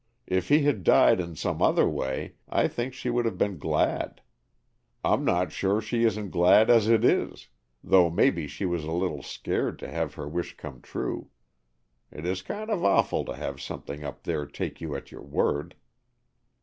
If he had died in some other way, I think she would have been glad. I'm not sure she isn't glad as it is, though maybe she was a little scared to have her wish come true. It is kind of awful to have something up there take you at your word."